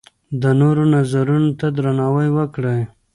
د نورو نظرونو ته درناوی وکړئ.